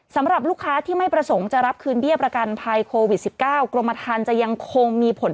สำหรับลูกค้าที่ไม่ประสงค์จะรับคืนเบี้ยประกันภัยโควิด๑๙